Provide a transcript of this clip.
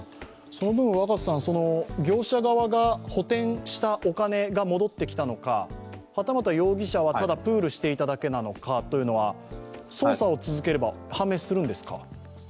その分、業者側が補填したお金が戻ってきたのか、はたまた容疑者はただプールしていただけなのかということは捜査を続ければ判明するんですか？